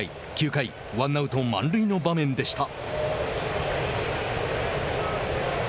９回、ワンアウト満塁の場面でした。